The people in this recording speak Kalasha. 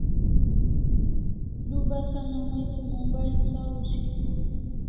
Du bas an o mai se mobile sawuz hiu